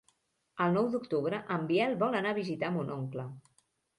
El nou d'octubre en Biel vol anar a visitar mon oncle.